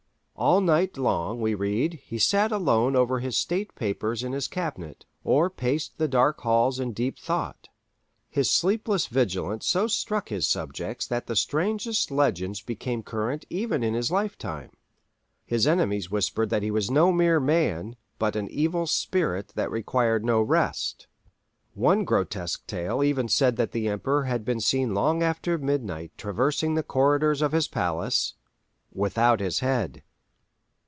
All night long, we read, he sat alone over his State papers in his cabinet, or paced the dark halls in deep thought. His sleepless vigilance so struck his subjects that the strangest legends became current even in his life time: his enemies whispered that he was no mere man, but an evil spirit that required no rest. One grotesque tale even said that the Emperor had been seen long after midnight traversing the corridors of his palace—without his head.